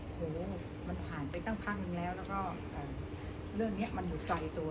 โอ้โหมันผ่านไปตั้งพังนึงแล้วแล้วก็อ่าเรื่องเนี้ยมันหลุดใสตัว